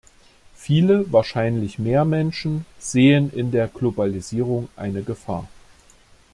Viele wahrscheinlich mehr Menschen sehen in der Globalisierung eine Gefahr.